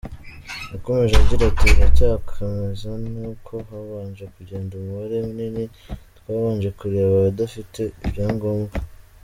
Yakomeje agira ati “Biracyakameza ni uko habanje kugenda umubare munini, twabanje kureba abadafite ibyangombwa.